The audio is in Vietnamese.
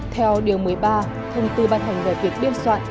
theo điều một mươi ba thông tư ban hành về việc biên soạn